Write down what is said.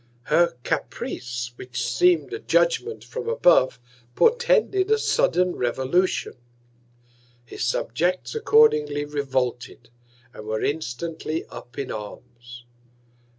Her Caprice, which seem'd a Judgement from above, portended a sudden Revolution. His Subjects accordingly revolted, and were instantly up in Arms.